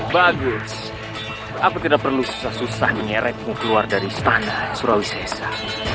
bagus aku tidak perlu susah susah nyerepmu keluar dari istana surawi sesa